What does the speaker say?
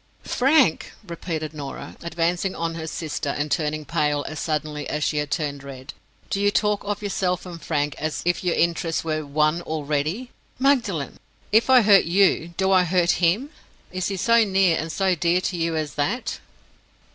"Frank!" repeated Norah, advancing on her sister and turning pale as suddenly as she had turned red. "Do you talk of yourself and Frank as if your interests were One already? Magdalen! if I hurt you, do I hurt him? Is he so near and so dear to you as that?"